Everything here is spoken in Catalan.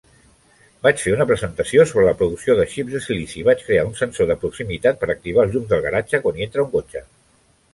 Vaig fer una presentació sobre la producció de xips de silici i vaig crear un sensor de proximitat per activar els llums del garatge quan hi entra un cotxe.